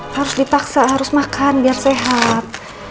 harus dipaksa harus makan biar sehat